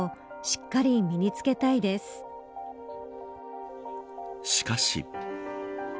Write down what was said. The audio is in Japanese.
しかし。